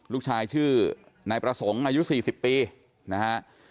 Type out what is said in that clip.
ลูกชายชื่อนายประสงค์อายุ๔๐ปีนะฮะ